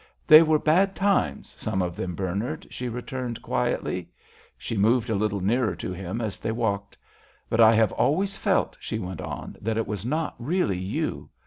"They were bad times, some of them, Bernard," she returned, quietly. She moved a little nearer to him as they walked. "But I have always felt," she went on, "that it was not really you.